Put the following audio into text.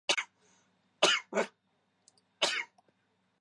英语版本的内容和日语版本有些许差异。